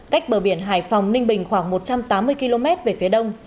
cách bờ biển hải phòng ninh bình khoảng một trăm tám mươi km về phía đông